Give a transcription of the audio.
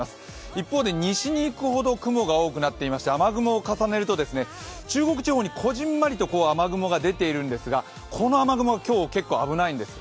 一方で西にいくほど雲が多くなっていまして、雨雲を重ねると中国地方にこぢんまりと雨雲が出ているんですが、この雨雲が今日、結構危ないんです